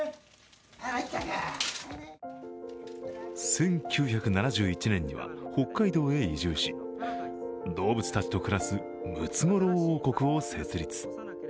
１９７１年には北海道へ移住し、動物たちと暮らすムツゴロウ王国を設立。